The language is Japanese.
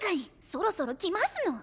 そろそろきますの。